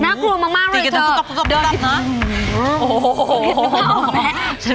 น่ากลัวมากเลยเธอเดี๋ยวอาทิตย์นะโอ้โหโหโหนึกออกมั้ย